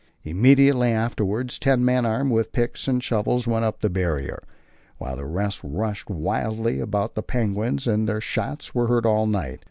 Immediately afterwards ten men armed with picks and shovels went up the Barrier, while the rest rushed wildly about after penguins, and their shots were heard all night.